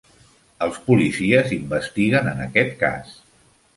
Els policies investiguen en aquest cas.